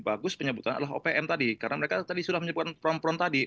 bagus penyebutan adalah opm tadi karena mereka tadi sudah menyebutkan fronfron tadi